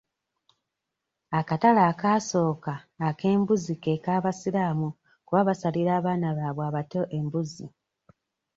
Akatale akasooka ak'embuzi ke k'abasiraamu kuba basalira abaana babwe abato embuzi.